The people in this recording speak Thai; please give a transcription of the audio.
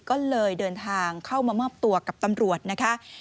ก็เลยเดินทางเข้ามามอบตัวกับตำรวจนะคะ